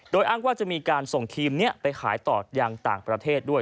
โดยอ้างว่าจะมีการส่งทีมนี้ไปขายต่อยังต่างประเทศด้วย